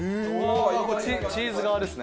これチーズ側ですね。